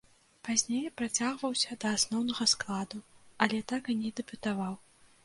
Пазней прыцягваўся да асноўнага складу, але так і не дэбютаваў.